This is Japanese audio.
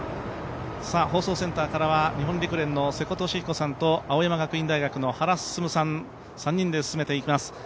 放送センターからは日本陸連の瀬古利彦さんと青山学院大学の原晋さん、３人で進めていきます。